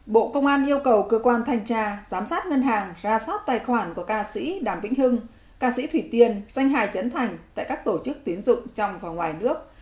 bộ công an yêu cầu cơ quan thanh tra giám sát ngân hàng ra soát tài khoản của ca sĩ đàm vĩnh hưng ca sĩ thủy tiên danh hà trấn thành tại các tổ chức tiến dụng trong và ngoài nước